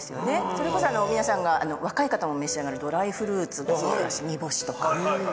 それこそ皆さんが若い方も召し上がるドライフルーツもそうだし煮干しとか高野豆腐とか。